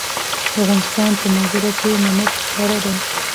د افغانستان په منظره کې نمک ښکاره ده.